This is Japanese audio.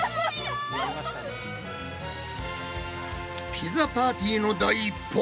ピザパーティーの第一歩！